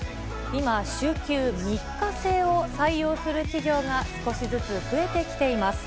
今、週休３日制を採用する企業が少しずつ増えてきています。